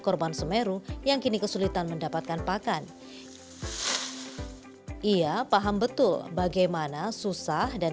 korban semeru yang kini kesulitan mendapatkan pakan ia paham betul bagaimana susah dan